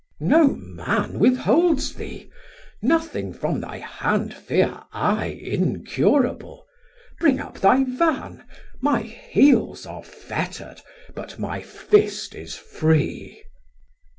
Sam: No man with holds thee, nothing from thy hand Fear I incurable; bring up thy van, My heels are fetter'd, but my fist is free.